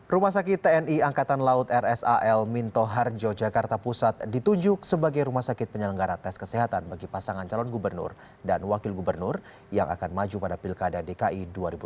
rumah sakit tni angkatan laut rsal minto harjo jakarta pusat ditunjuk sebagai rumah sakit penyelenggara tes kesehatan bagi pasangan calon gubernur dan wakil gubernur yang akan maju pada pilkada dki dua ribu tujuh belas